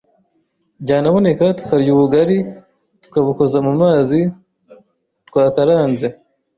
byanaboneka tukarya ubugari tukabukoza mu mazi twakaranze